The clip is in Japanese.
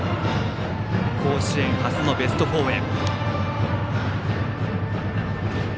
甲子園初のベスト４へ。